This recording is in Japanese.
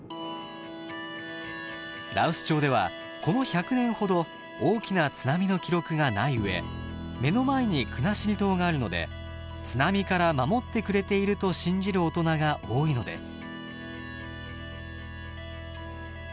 羅臼町ではこの１００年ほど大きな津波の記録がない上目の前に国後島があるので「津波から守ってくれている」と信じる大人が多いのです。